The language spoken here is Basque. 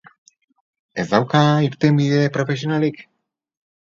Ez dauka irtenbide profesionalik?